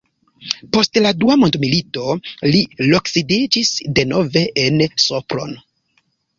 Post la dua mondmilito li loksidiĝis denove en Sopron.